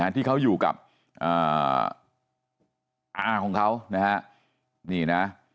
ที่เขาอยู่กับอาของเขานะฮะนี่นะ